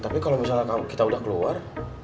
tapi kalau misalnya kita udah keluar